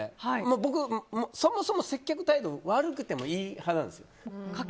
僕はそもそも接客態度悪くてもいい派なんですよ。